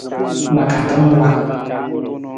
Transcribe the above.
Ma katang wa.